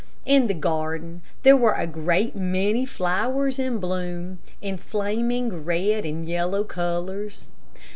In the garden there were a great many flowers in bloom, in flaming red and yellow colors.